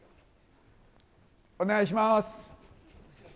お願いします。